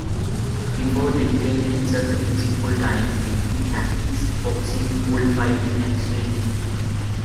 Before dedicating himself to music full-time, he practiced boxing, bullfighting and swimming.